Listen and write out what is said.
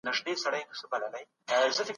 کوم مجلس ډیر واک لري؟